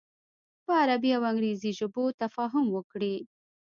په عربي او انګریزي ژبو تفاهم وکړي.